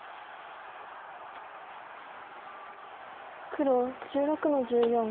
黒１６の十四。